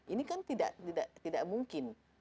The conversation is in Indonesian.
ini kan tidak mungkin